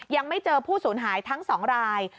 ยังไม่เจอผู้สูญหายทั้ง๒ราย